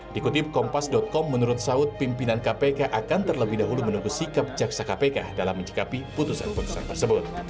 dikutip kompas com menurut saud pimpinan kpk akan terlebih dahulu menunggu sikap jaksa kpk dalam menjikapi putusan putusan tersebut